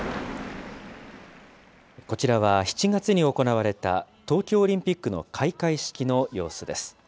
こちらは７月に行われた東京オリンピックの開会式の様子です。